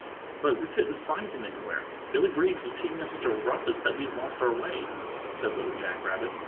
"But we couldn't find him anywhere. Billy Breeze was kicking up such a rumpus that we lost our way," said Little Jack Rabbit.